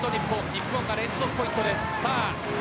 日本が連続ポイントです。